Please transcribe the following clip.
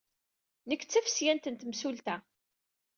Nekk d tafesyant n temsulta.